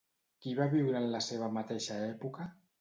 Qui va viure en la seva mateixa època?